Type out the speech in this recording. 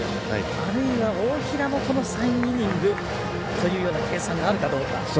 あるいは大平もこの３イニングというような計算があるかどうか。